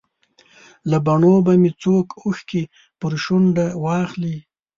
له بڼو به مې څوک اوښکې پر شونډه واخلي.